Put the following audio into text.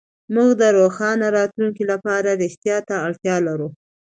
موږ د روښانه راتلونکي لپاره رښتيا ته اړتيا لرو.